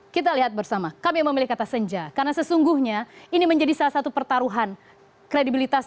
kita lihat bersama kami memilih kata senja karena sesungguhnya ini menjadi salah satu pertaruhan kredibilitas